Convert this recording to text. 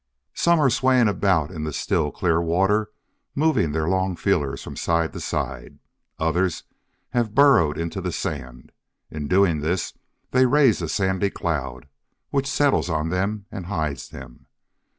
Some are swaying about in the still, clear water, moving their long feelers from side to side. Others have burrowed into the sand. In doing this, they raise a sandy cloud, which settles on them and hides them.